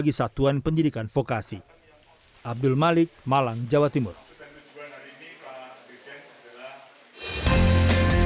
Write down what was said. dengan ruang lingkup kesepahaman dan kerjasama tersebut